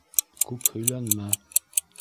— Күп һөйләнмә!